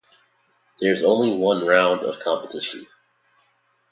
There is only one round of competition.